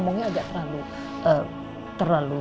tuh ada memadat papa